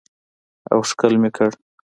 او ښکل مې کړ.